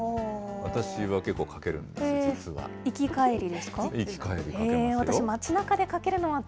私は結構かけるんです、実は。